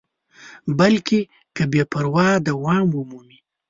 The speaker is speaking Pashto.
بلکې که بې پروایي دوام ومومي.